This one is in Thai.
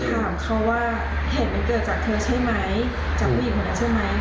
ถามเขาว่าเหตุมันเกิดจากเธอใช่ไหมจากผู้หญิงคนนั้นใช่ไหม